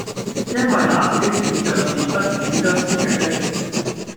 因爲那時的主將是不主張消極的。